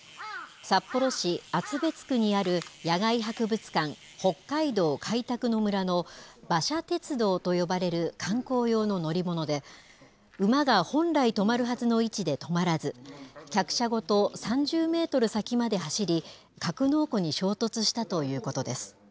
札幌市厚別区にある野外博物館、北海道開拓の村の馬車鉄道と呼ばれる観光用の乗り物で、馬が本来止まるはずの位置で止まらず、客車ごと３０メートル先まで走り、格納庫に衝突したということです。